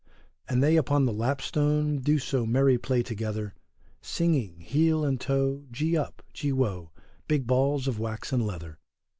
And they upon the lapstone do so merry play together, Singing, heel and toe, gee up, gee woe, big balls of wax and leather.